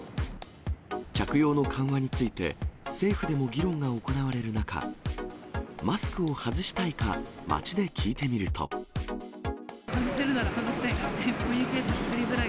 着用の緩和について、政府でも議論が行われる中、マスクを外したいか、街で聞いて外せるなら外したい。